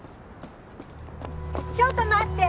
ちょっと待って！